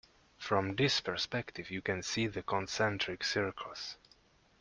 From this perspective you can see the concentric circles.